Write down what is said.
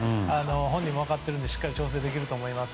本人も分かっているんでしっかり調整できると思います。